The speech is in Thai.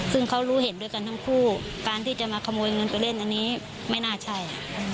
ซึ่งเขารู้เห็นด้วยกันทั้งคู่การที่จะมาขโมยเงินไปเล่นอันนี้ไม่น่าใช่